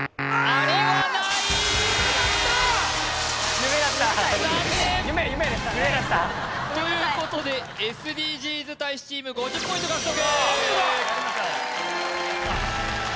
夢だった残念！ということでＳＤＧｓ大使チーム５０ポイント獲得！